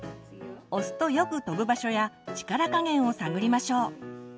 押すとよく飛ぶ場所や力加減を探りましょう。